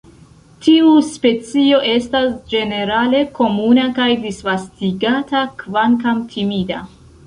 Tiu specio estas ĝenerale komuna kaj disvastigata, kvankam timida.